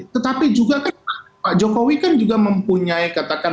tetapi juga kan pak jokowi kan juga mempunyai katakan